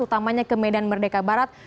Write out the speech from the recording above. utamanya ke medan merdeka barat